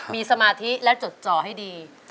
มีสมาธิและจดจ่อให้ดี